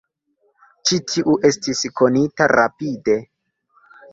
Ĉi tiu estis konita rapide.